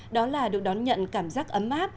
đó là được đón nhận cảm giác ấm áp